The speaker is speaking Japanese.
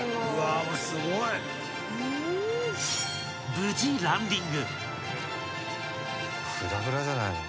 ［無事ランディング］